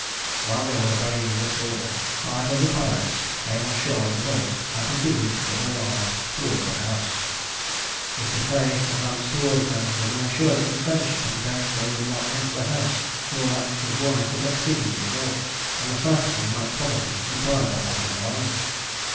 While they were obeying this order five of the pirates came on shore in the boat, and proceeded, doubly armed, towards the house. Mr. Fea advanced towards them with an assurance of friendship, and begged they would not enter the house, for that his wife was exceedingly ill; and the sight of them might probably deprive her of life.